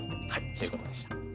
ということでした。